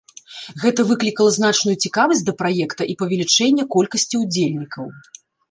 Гэта выклікала значную цікавасць да праекта, і павелічэнне колькасці ўдзельнікаў.